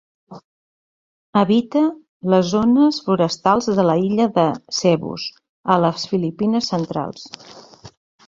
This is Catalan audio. Habita les zones forestals de l'illa de Cebu, a les Filipines centrals.